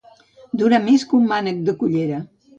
Durar més que un mànec de cullera.